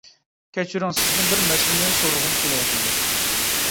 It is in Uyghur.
كەچۈرۈڭ، سىزدىن بىر مەسىلىنى سورىغۇم كېلىۋاتىدۇ.